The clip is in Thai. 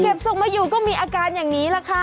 เก็บทรงไม่อยู่ก็มีอาการอย่างนี้แหละค่ะ